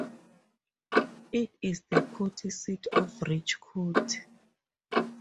It is the county seat of Rich County.